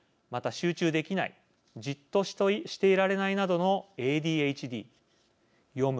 集中できないじっとしていられないなどのＡＤＨＤ読む